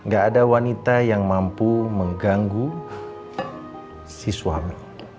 gak ada wanita yang mampu mengganggu si suami